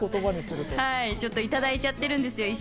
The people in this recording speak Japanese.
いただいちゃってるんですよ。